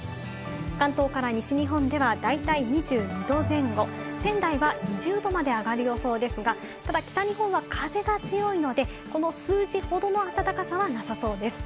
関東から西日本ではだいたい２２度前後、仙台は２０度まで上がる予想ですが、ただ北日本は風が強いのでこの数字ほどの暖かさはなさそうです。